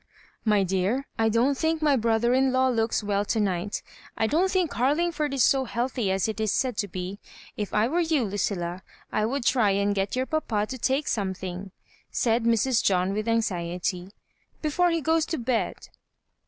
''My dear, I don't think my brother in law looks well to night I don't think Garlingford is so healthy as it is said to be. If I were you, Lucilla, I would try and get your papa to take something," said Mrs. John, with anxiety, " before he goes to bed."